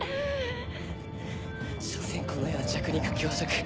しょせんこの世は弱肉強食。